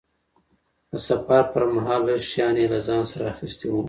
د سفر پرمهال لږ شیان یې له ځانه سره اخیستي وو.